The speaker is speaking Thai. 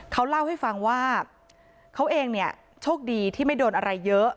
เขาเล่าให้ฟังว่าเขาเองเนี่ยโชคดีที่ไม่โดนอะไรเยอะ